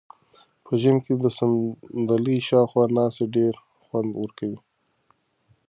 په ژمي کې د صندلۍ شاوخوا ناسته ډېر خوند ورکوي.